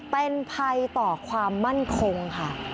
เป็นภัยต่อความมั่นคงค่ะ